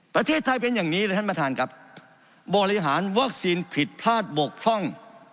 ประเทศไทยเป็นอย่างนี้เลยท่านประธานครับบริหารวัคซีนผิดพลาดบกพร่อง